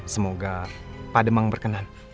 semoga pak demang berkenan